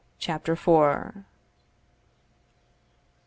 CHAPTER FOURTH.